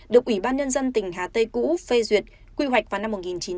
được ủy ban nhân dân tỉnh hà tây cũ phê duyệt quy hoạch vào năm một nghìn chín trăm bảy mươi